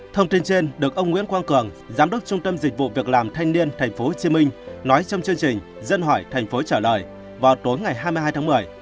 thông tin trên được ông nguyễn quang cường giám đốc trung tâm dịch vụ việc làm thanh niên tp hcm nói trong chương trình dân hỏi thành phố trả lời vào tối ngày hai mươi hai tháng một mươi